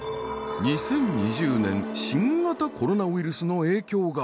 ２０２０年新型コロナウイルスの影響が。